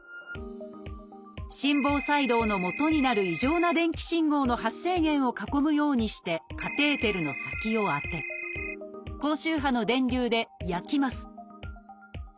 心房細動のもとになる異常な電気信号の発生源を囲むようにしてカテーテルの先を当て高周波の電流で焼きます。